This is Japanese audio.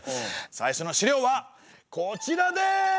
最初の資料はこちらです！